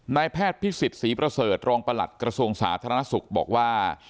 นายแพทย์พิสิทธิ์ศรีประเสริฐรองประหลัดกระทรวงสาธารณสุขบอกว่า